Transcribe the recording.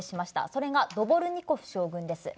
それがドボルニコフ将軍です。